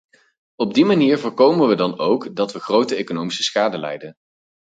Op die manier voorkomen we ook dat we grote economische schade lijden.